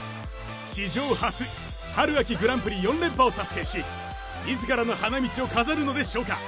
史上初春秋グランプリ４連覇を達成し自らの花道を飾るのでしょうか？